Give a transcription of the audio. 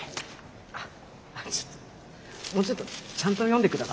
あっちょっともうちょっとちゃんと読んでください。